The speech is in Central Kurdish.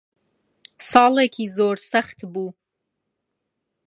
ساڵێکی زۆر سەخت بوو.